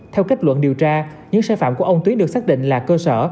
theo kết luận điều tra những sai phạm của ông tuyến được xác định là cơ sở